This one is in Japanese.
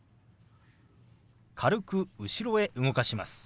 軽く後ろへ動かします。